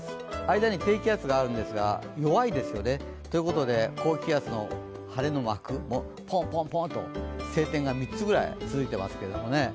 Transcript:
間に低気圧があるんですが、弱いですよね、ということで高気圧の晴れの膜もポンポンポンと晴天が３つぐらい続いてますけどね。